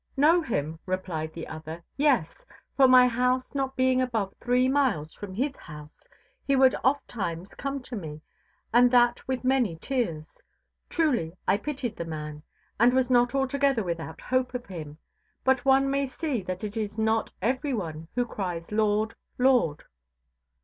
Know him! replied the other. Yes. For my house not being above three miles from his house he would ofttimes come to me, and that with many tears. Truly I pitied the man, and was not altogether without hope of him; but one may see that it is not every one who cries Lord, Lord.